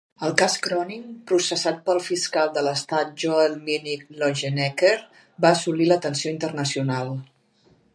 El cas Cronin, processat pel fiscal de l'estat Joel Minnick Longenecker va assolir l'atenció internacional.